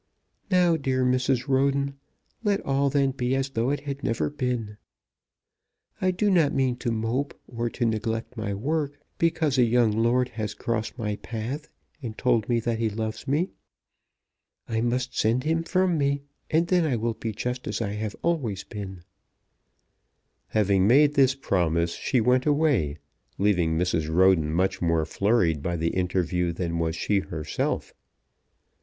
Now, dear Mrs. Roden, let all then be as though it had never been. I do not mean to mope, or to neglect my work, because a young lord has crossed my path and told me that he loves me. I must send him from me, and then I will be just as I have been always." Having made this promise she went away, leaving Mrs. Roden much more flurried by the interview than was she herself.